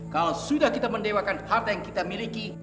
kalau sudah kita mendewakan harta yang kita miliki